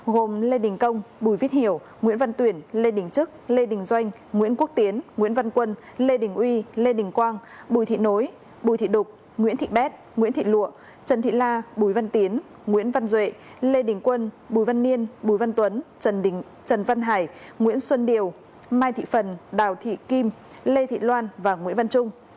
gồm lê đình công bùi viết hiểu nguyễn văn tuyển lê đình trức lê đình doanh nguyễn quốc tiến nguyễn văn quân lê đình uy lê đình quang bùi thị nối bùi thị đục nguyễn thị bét nguyễn thị lụa trần thị la bùi văn tiến nguyễn văn duệ lê đình quân bùi văn niên bùi văn tuấn trần văn hải nguyễn xuân điều mai thị phần đào thị kim lê thị loan và nguyễn văn trung